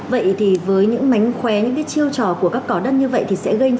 vậy thì với những mánh khóe những cái chiêu trò của các cỏ đất như vậy thì sẽ gây ra